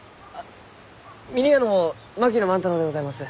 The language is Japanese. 峰屋の槙野万太郎でございます。